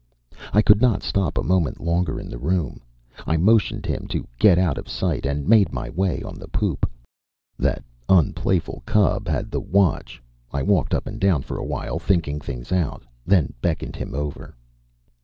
I could not stop a moment longer in the room. I motioned him to get out of sight and made my way on the poop. That unplayful cub had the watch. I walked up and down for a while thinking things out, then beckoned him over.